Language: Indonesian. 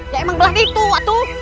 ya emang belah itu waktu